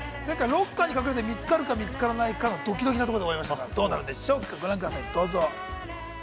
◆ロッカーに隠れて見つかるか、見つからないかドキドキのところで終わりましたが、どうなるんでしょうか、ご覧ください、どうぞ。